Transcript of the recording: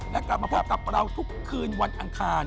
และกลับมาพบกับเราทุกคืนวันอังคาร